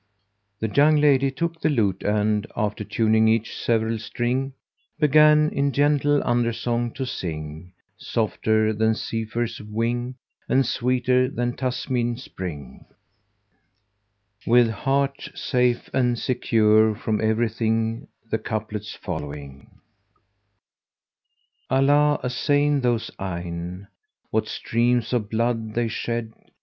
The young lady took the lute and, after tuning each several string, began in gentle undersong to sing, softer than zephyr's wing and sweeter than Tasmin[FN#190] spring, with heart safe and secure from everything the couplets following, "Allah assain those eyne! What streams of blood they shed!